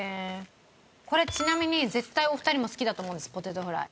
これちなみに絶対お二人も好きだと思うんですポテトフライ。